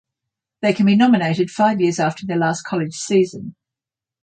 They can be nominated five years after their last college season.